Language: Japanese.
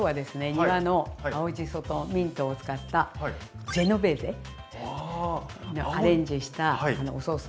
庭の青じそとミントを使ったジェノベーゼをアレンジしたおソースなんですけど。